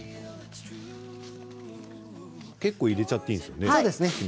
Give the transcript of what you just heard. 結構入れちゃっていいんですね。